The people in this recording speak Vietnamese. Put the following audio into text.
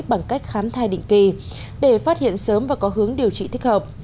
bằng cách khám thai định kỳ để phát hiện sớm và có hướng điều trị thích hợp